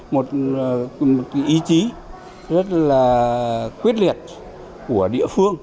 một ý chí rất là quyết liệt của địa phương